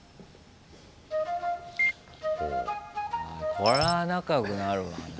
これは仲良くなるわな。